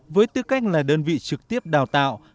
với tư cách là đơn vị trực tiếp đào tạo